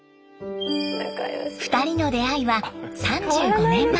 ２人の出会いは３５年前。